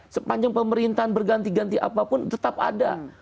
sepanjang pemerintahan berganti ganti apapun tetap ada